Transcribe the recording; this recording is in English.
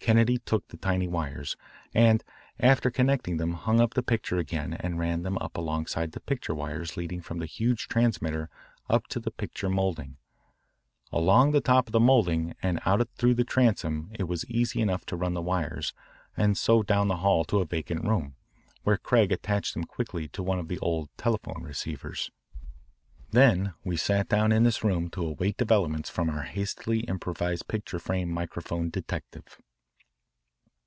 Kennedy took the tiny wires, and after connecting them hung up the picture again and ran them up alongside the picture wires leading from the huge transmitter up to the picture moulding. Along the top of the moulding and out through the transom it was easy enough to run the wires and so down the hall to a vacant room, where Craig attached them quickly to one of the old telephone receivers. Then we sat down in this room to await developments from our hastily improvised picture frame microphone detective.